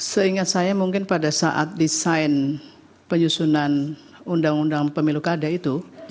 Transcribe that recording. seingat saya mungkin pada saat desain penyusunan undang undang pemilu kada itu